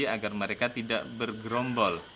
agar mereka tidak bergerombol